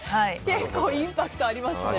結構インパクトありますね。